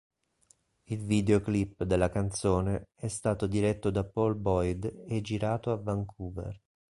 Il videoclip della canzone è stato diretto da Paul Boyd e girato a Vancouver.